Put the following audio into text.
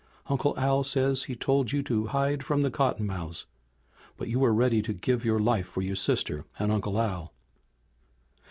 Uncle Al says he told you to bide from the cottonmouths. But you were ready to give your life for your sister and Uncle Al."